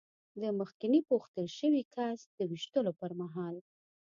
د مخکېني پوښتل شوي کس د وېشتلو پر مهال.